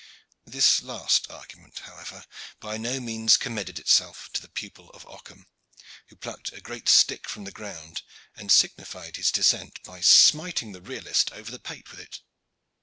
This last argument, however, by no means commended itself to the pupil of Ockham, who plucked a great stick from the ground and signified his dissent by smiting the realist over the pate with it.